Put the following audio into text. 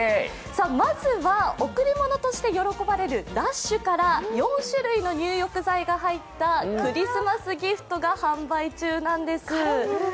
まずは、贈り物として喜ばれるＬＵＳＨから４種類が入ったクリスマスギフトが販売中なんです。